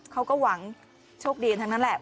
เขาก็หวังโชคดีทั้งนั้นแหละ